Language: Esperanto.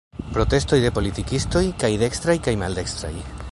Protestoj de politikistoj, kaj dekstraj kaj maldekstraj.